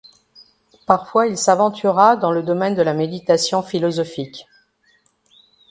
Parfois, il s'aventura dans le domaine de la méditation philosophique.